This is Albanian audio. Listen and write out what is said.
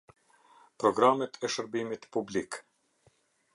Programet e shërbimit publik.